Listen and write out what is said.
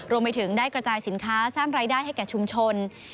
รวมไปถึงได้กระจายสินค้าสร้างรายได้ให้แก่ชุมชน